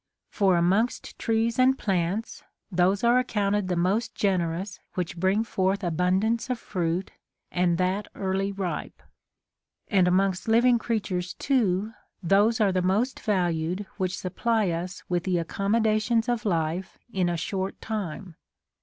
For amongst trees and plants, those are accounted the most generous which bring forth abundance of fruit, and that early ripe. And amongst living creatures too, those are the most valued which supply us with the accommodations of life in a short time.